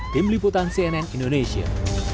tim liputan cnn indonesia